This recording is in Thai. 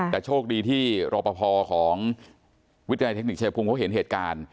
แต่โชคดีที่รอปภของวิทยาลัยเทคนิคชายภูมิเขาเห็นเหตุการณ์